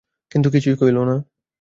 কিন্তু কিছুই কইলনা।